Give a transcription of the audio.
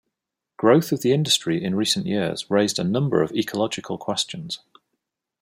Growth of the industry in recent years raised a number of ecological questions.